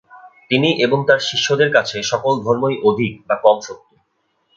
তিনি এবং তার শিষ্যদের কাছে সকল ধর্মই অধিক বা কম সত্য।